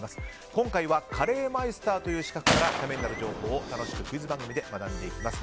今回はカレーマイスターという資格からためになる情報を楽しくクイズ形式で学んでいきます。